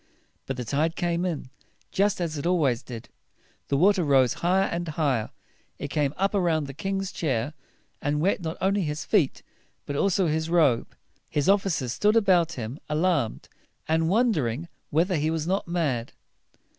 But the tide came in, just as it always did. The water rose higher and higher. It came up around the king's chair, and wet not only his feet, but also his robe. His officers stood about him, alarmed, and won der ing whether he was not mad.